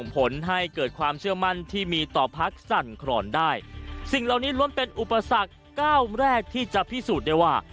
ผลให้เกิดความเชื่อมั่นที่มีต่อพักสั่นครอนได้สิ่งเหล่านี้ล้วนเป็นอุปสรรคเก้าแรกที่จะพิสูจน์ได้ว่า